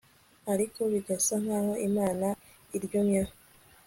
ariko bigasa nk'aho imana iryumyeho